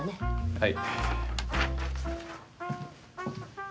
はい。